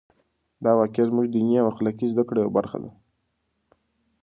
دا واقعه زموږ د دیني او اخلاقي زده کړو یوه برخه ده.